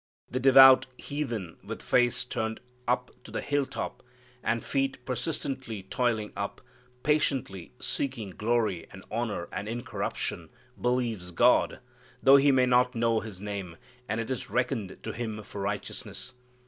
The devout heathen with face turned up to the hill top, and feet persistently toiling up, patiently seeking glory and honor and incorruption believes God, though he may not know His name, and it is reckoned to him for righteousness.